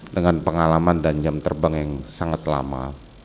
dengan pengalaman dan jam terbang yang sangat lama